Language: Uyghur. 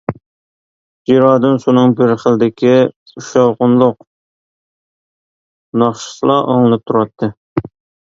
جىرادىن سۇنىڭ بىر خىلدىكى شاۋقۇنلۇق ناخشىسىلا ئاڭلىنىپ تۇراتتى.